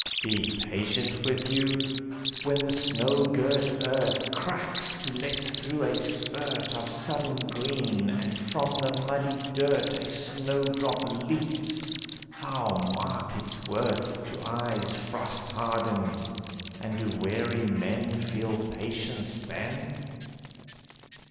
Be patient with you? When the snow girt earth Cracks to let through a spurt Of sudden green, and from the muddy dirt A snowdrop leaps, how mark its worth To eyes frost hardened, and do weary men Feel patience then?